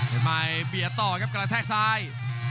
เป็นมายเบียตต่อกับกระแทรกซ้าย